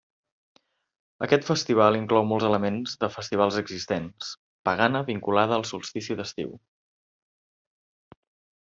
Aquest festival inclou molts elements de festivals existents pagana, vinculada al solstici d'estiu.